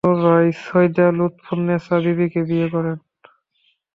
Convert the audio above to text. তিনি পুনরায় সৈয়দা লুৎফুন্নেছা বিবিকে বিয়ে করেন।